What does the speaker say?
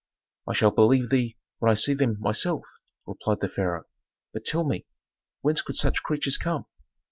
"I shall believe thee when I see them myself," replied the pharaoh. "But tell me, whence could such creatures come?"